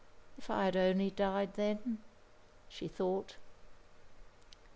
"If I had only died then," she thought.